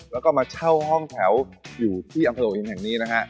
แล้วก็มาเช่าห้องแถวอยู่ที่อังคตอบอินแห่งนี้นะครับ